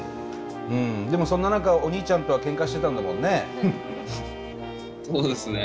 うんでもそんな中お兄ちゃんとはケンカしてたんだもんね。